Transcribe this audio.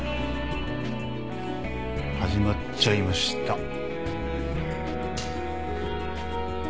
始まっちゃいました。